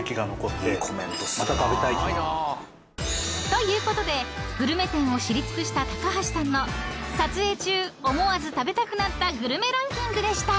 ［ということでグルメ店を知り尽くした高橋さんの撮影中思わず食べたくなったグルメランキングでした］